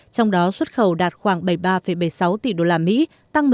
trong đó xuất khẩu đạt khoảng bảy mươi ba bảy mươi sáu tỷ usd tăng một mươi ba